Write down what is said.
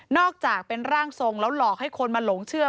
อกจากเป็นร่างทรงแล้วหลอกให้คนมาหลงเชื่อ